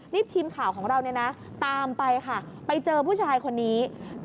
นี่ทีมข่าวของเราเนี่ยนะตามไปค่ะไปเจอผู้ชายคนนี้